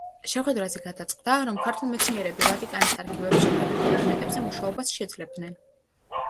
შეხვედრაზე გადაწყდა, რომ ქართველ მეცნიერები ვატიკანის არქივებში ქართულ დოკუმენტებზე მუშაობას შეძლებდნენ.